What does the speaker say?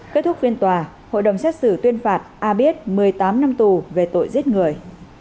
kết thúc phiên tòa hội đồng xét xử tuyên phạt a biết một mươi tám năm tù về tội giết người